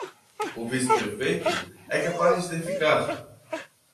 O vice-prefeito é capaz de ficar